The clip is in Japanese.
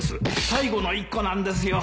最後の１個なんですよ。